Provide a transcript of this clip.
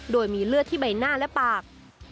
โดยมีเลือดที่ใบหน้าและปาก